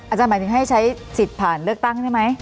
หมายถึงให้ใช้สิทธิ์ผ่านเลือกตั้งได้ไหม